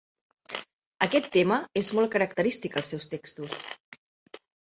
Aquest tema és molt característic als seus textos.